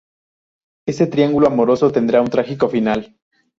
Este triángulo amoroso tendrá un trágico final.